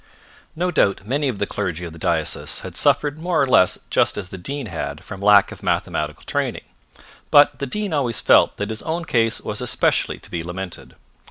No doubt many of the clergy of the diocese had suffered more or less just as the Dean had from lack of mathematical training. But the Dean always felt that his own case was especially to be lamented.